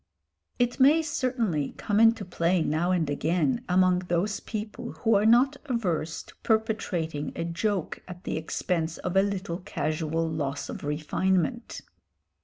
It may certainly come into play now and again among those people who are not averse to perpetrating a joke at the expense of a little casual loss of refinement.